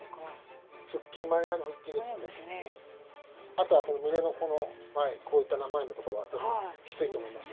あとは胸の前こういった前のところはたぶんきついと思います。